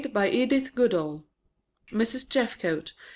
EDYTH GOODALL Mrs. Jeffcote